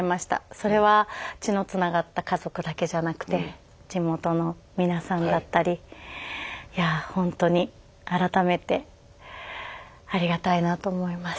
それは血のつながった家族だけじゃなくて地元の皆さんだったりいやぁ本当に改めてありがたいなと思います。